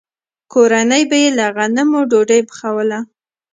کورنۍ به یې له غنمو ډوډۍ پخوله.